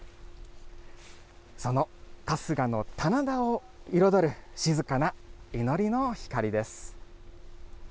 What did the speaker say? その春日の棚田を彩る、静かな祈りの光です。